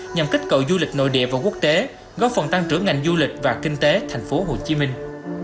nhằm kích cậu du lịch nội địa và quốc tế góp phần tăng trưởng ngành du lịch và kinh tế thành phố hồ chí minh